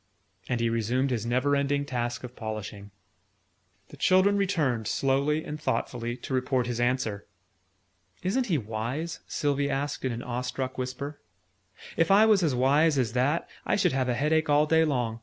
And he resumed his never ending task of polishing. The children returned, slowly and thoughtfully, to report his answer. "Isn't he wise?" Sylvie asked in an awestruck whisper. "If I was as wise as that, I should have a head ache all day long.